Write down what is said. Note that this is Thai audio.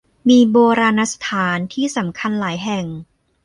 มีโบราณสถานที่สำคัญหลายแห่ง